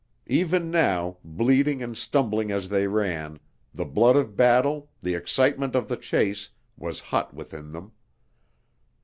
Even now, bleeding and stumbling as they ran, the blood of battle, the excitement of the chase, was hot within them.